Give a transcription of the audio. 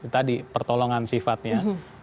tadi pertolongan sifatnya